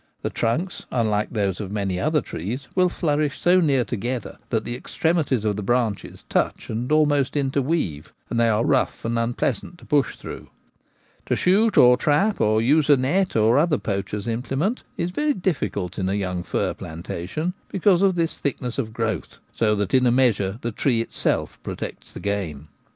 The trunks — unlike those of many other trees — will flourish so near together that the extremities of the branches touch and almost inter weave, and they are rough and unpleasant to push through. To shoot or trap, or use a net or other poacher's implement, is very difficult in a young fir plantation, because of this thickness of growth ; so that in a measure the tree itself protects the game.